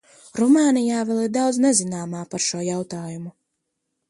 Rumānijā vēl ir daudz nezināma par šo jautājumu.